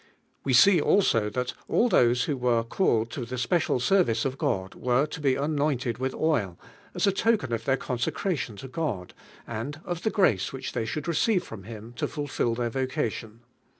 We see also thai all those who were called to tbe special service of God were to be anointed with nil. as a token of their con secration to God, and of the grace which they should receive from ITim to fulfil their vocation.